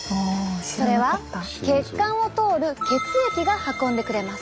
それは血管を通る血液が運んでくれます。